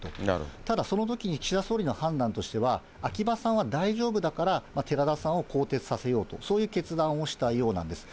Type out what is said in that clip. ただ、そのときに岸田総理の判断としては、秋葉さんは大丈夫だから、寺田さんを更迭させようと、そういう決断をしたようなんです。